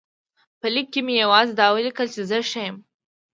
په لیک کې مې یوازې دا ولیکل چې زه ښه یم.